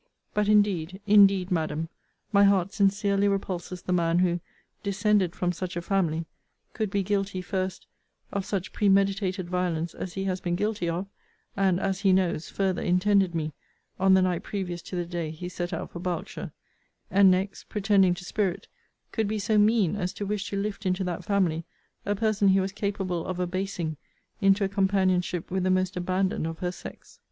But indeed, indeed, Madam, my heart sincerely repulses the man who, descended from such a family, could be guilty, first, of such premeditated violence as he has been guilty of; and, as he knows, farther intended me, on the night previous to the day he set out for Berkshire; and, next, pretending to spirit, could be so mean as to wish to lift into that family a person he was capable of abasing into a companionship with the most abandoned of her sex.